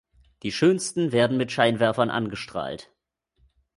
Die schönsten werden mit Scheinwerfern angestrahlt.